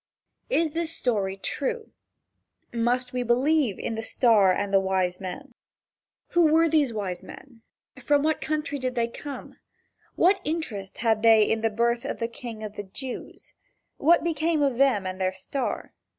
Is this story true? Must we believe in the star and the wise men? Who were these wise men? From what country did they come? What interest had they in the birth of the King of the Jews? What became of them and their star?